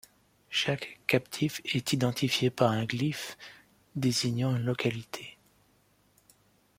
Chaque captif est identifié par un glyphe désignant une localité.